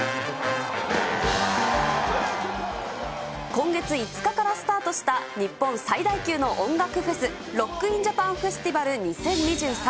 今月５日からスタートした日本最大級の音楽フェス、ロック・イン・ジャパン・フェスティバル２０２３。